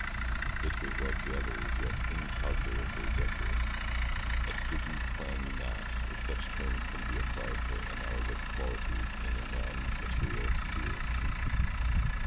It was like the others, yet incalculably denser; a sticky, clammy mass, if such terms can be applied to analogous qualities in a non material sphere.